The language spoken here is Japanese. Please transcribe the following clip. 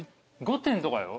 ５点とかよ